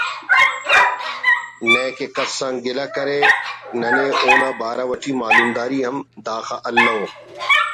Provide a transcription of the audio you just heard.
نئے کہ کس آن گلہ کرے ننے اونا بارو اٹی معلومداری ہم داخہ الَو